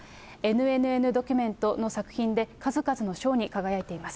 ＮＮＮドキュメントの作品で数々の賞に輝いています。